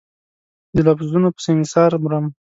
د لفظونو په سنګسار مرم